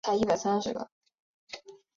食管憩室主要影响成年人。